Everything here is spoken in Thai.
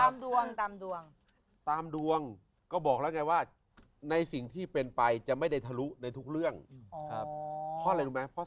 มันก็พอวางแปลนของระบบไฟอะไรพอได้อยู่ครับ